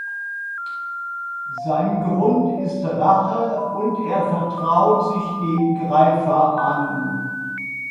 Sein Grund ist Rache, und er vertraut sich dem Greifer an.